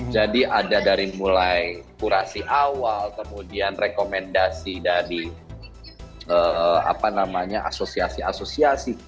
jadi ada dari mulai kurasi awal kemudian rekomendasi dari asosiasi asosiasi